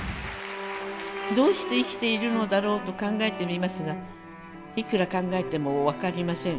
「どうして生きているのだろうと考えてみますがいくら考えても分かりません。